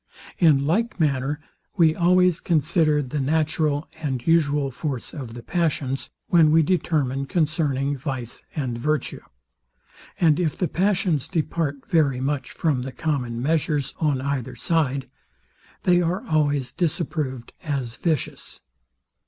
In like manner we always consider the natural and usual force of the passions, when we determine concerning vice and virtue; and if the passions depart very much from the common measures on either side, they are always disapproved as vicious.